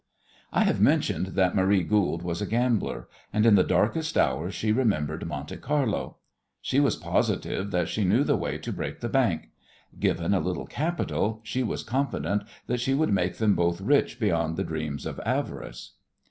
I have mentioned that Marie Goold was a gambler, and in the darkest hour she remembered Monte Carlo. She was positive that she knew the way to break the bank. Given a little capital, she was confident that she would make them both rich beyond the dreams of avarice.